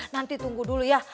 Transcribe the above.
nanti tunggu dulu ya